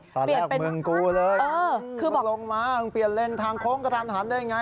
ตอนแรกเมืองกูเลยลงมาเปลี่ยนเลนทางโค้งกับทันหันได้อย่างไร